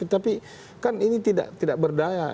tapi kan ini tidak berdaya